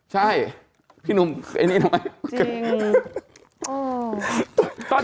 ใช่พี่หนุ่มไอ้นี่ทำไม